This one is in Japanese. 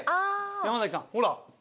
山崎さんほら。